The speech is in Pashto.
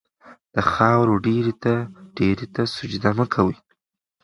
د خاورو ډېري ته سجده مه کوئ.